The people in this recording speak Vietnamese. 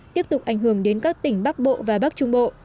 tiếp tục ảnh hưởng đến các tỉnh bắc bộ và bắc trung bộ